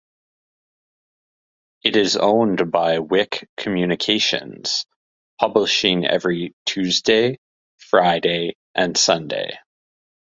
It is owned by Wick Communications, publishing every Tuesday, Friday, and Sunday.